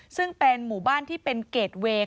ซึ่งเป็นหมู่บ้านที่เป็นเกรดเวย์